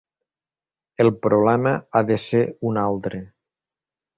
El problema ha de ser un altre.